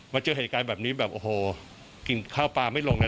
เจอเหตุการณ์แบบนี้แบบโอ้โหกินข้าวปลาไม่ลงเลย